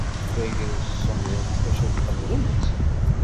Tagrest semmḍet, maca tḥemmlem-tt.